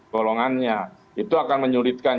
golongannya itu akan menyulitkan